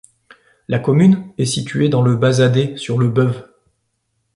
La commune est située dans le Bazadais sur le Beuve.